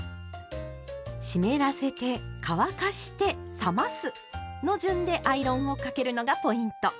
湿らせて乾かして冷ますの順でアイロンをかけるのがポイント！